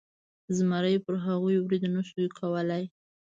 زمري پر هغوی برید نشو کولی.